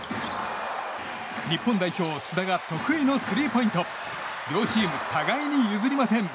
日本代表、須田が得意のスリーポイント両チーム互いに譲りません。